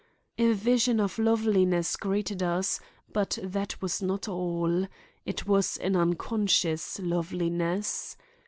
A vision of loveliness greeted us, but that was not all. It was an unconscious loveliness.